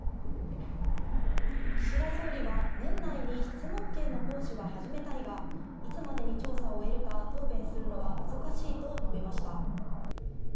岸田総理は、年内に質問権の行使は始めたいが、いつまでに調査を終えるか答弁するのは難しいと述べました。